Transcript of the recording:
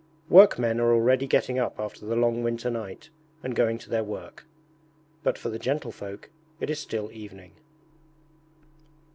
Workmen are already getting up after the long winter night and going to their work but for the gentlefolk it is still evening.